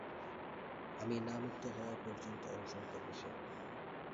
আমি না মুক্ত হওয়া পর্যন্ত অনশন করবে সে।